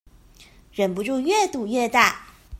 忍不住越賭越大